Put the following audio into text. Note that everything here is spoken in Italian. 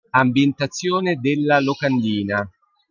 Ambientazione della locandina.